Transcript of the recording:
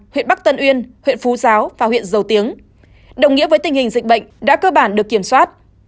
huyện bắc tân uyên huyện phú giáo và huyện dầu tiếng đồng nghĩa với tình hình dịch bệnh đã cơ bản được kiểm soát